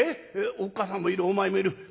おっかさんもいるお前もいる番頭さんいる。